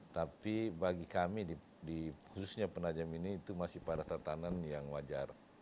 tapi bagi kami di khususnya penajam ini itu masih pada tatanan yang wajar